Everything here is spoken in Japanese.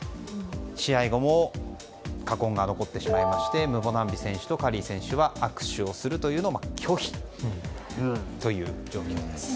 試合後も禍根は残ってしまいましてムボナンビ選手とカリー選手は握手をするのも拒否という状況です。